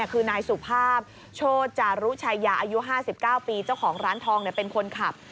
คือนายสุภาพโชจารุชายาอายุ๕๙ปีเจ้าของร้านทองเป็นคนขับ